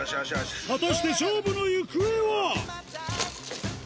果たして勝負の行方は？